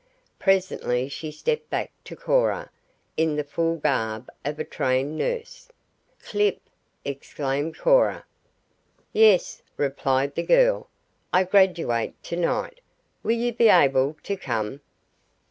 Presently she stepped back to Cora in the full garb of a trained nurse. "Clip!" exclaimed Cora. "Yes," replied the girl, "I graduate to night. Will you be able to come?"